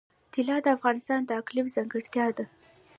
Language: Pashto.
طلا د افغانستان د اقلیم ځانګړتیا ده.